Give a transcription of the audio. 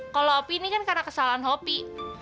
kalau opi ini kan karena kesalahan opi